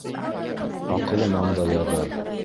Аҡылынан да яҙыр.